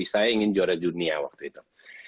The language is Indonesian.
saya ingin juara dunia waktu itu